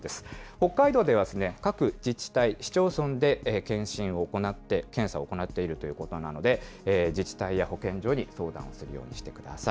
北海道では各自治体、市町村で検診を行って、検査を行っているということなので、自治体や保健所に相談をするようにしてください。